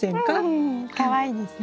うんかわいいですね。